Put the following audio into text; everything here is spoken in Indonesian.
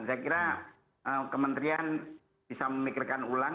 saya kira kementerian bisa memikirkan ulang